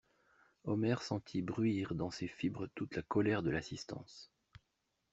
Omer sentit bruire dans ses fibres toute la colère de l'assistance.